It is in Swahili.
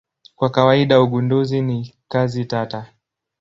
Kwa kawaida ugunduzi ni kazi tata.